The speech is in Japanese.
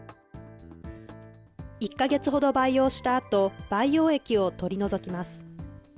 １か月ほど培養したあと、培養液を取り除きます。